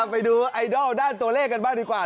ไปดูไอดอลด้านตัวเลขกันบ้างดีกว่า